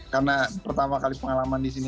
karena pertama kali pengalaman di sini